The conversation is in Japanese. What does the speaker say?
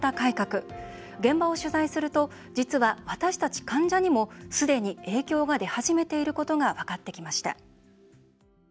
現場を取材すると実は私たち患者にもすでに影響が出始めていることが分かってきました。